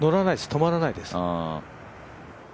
止まらないです。